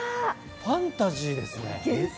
ファンタジーですね。